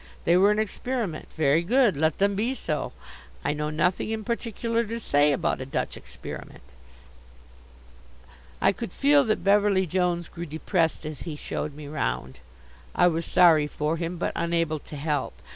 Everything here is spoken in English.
They were an experiment. Very good; let them be so. I know nothing in particular to say about a Dutch experiment. I could feel that Beverly Jones grew depressed as he showed me round. I was sorry for him, but unable to help.